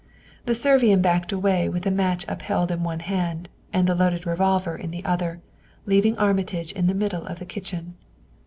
The Servian backed away with a match upheld in one hand and the leveled revolver in the other, leaving Armitage in the middle of the kitchen.